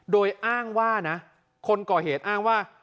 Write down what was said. โดยอ้างว่านะคนก่อเหตุอ้างว่า